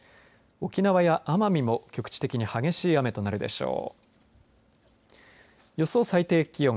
沖縄や奄美も局地的に激しい雨となるでしょう。